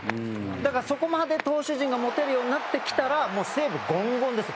だから、そこまで投手陣が持てるようになってきたらもう、西武ゴーゴーですよ